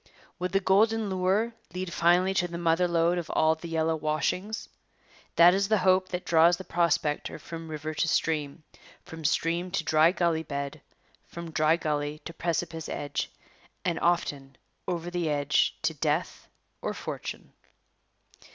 Would the golden lure lead finally to the mother lode of all the yellow washings? That is the hope that draws the prospector from river to stream, from stream to dry gully bed, from dry gully to precipice edge, and often over the edge to death or fortune.